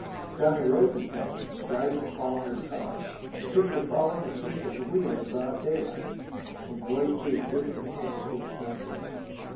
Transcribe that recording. Johnny Rosenfeld, driving Palmer's car, took to falling asleep at the wheel in broad daylight, and voiced his discontent to his mother.